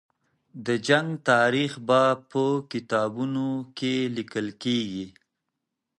د جنګ تاریخ به په کتابونو کې لیکل کېږي.